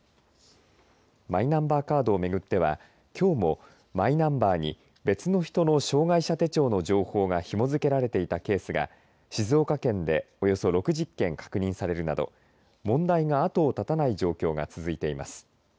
マイナンバーカードを巡ってはきょうもマイナンバーに別の人の障害者手帳の情報がひも付けられていたケースが静岡県でおよそ６０件確認されるなど問題が後を絶たない状況が続いています。